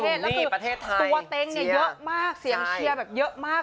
แล้วคือตัวเต็งเนี่ยเยอะมากเสียงเชียร์แบบเยอะมาก